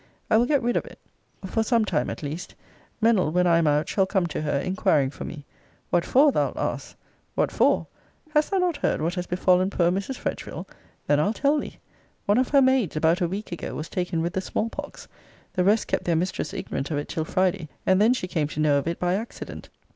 I will get rid of it; for some time at least. Mennell, when I am out, shall come to her, inquiring for me. What for? thou'lt ask. What for hast thou not heard what has befallen poor Mrs. Fretchville? Then I'll tell thee. One of her maids, about a week ago, was taken with the small pox. The rest kept their mistress ignorant of it till Friday; and then she came to know of it by accident.